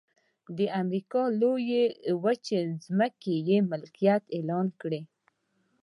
د امریکا لویې وچې ځمکې یې ملکیت اعلان کړې.